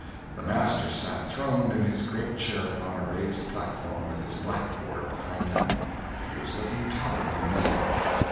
The master sat throned in his great chair upon a raised platform, with his blackboard behind him. He was looking tolerably mellow.